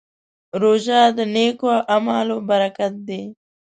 روژه د نېکو اعمالو برکت دی.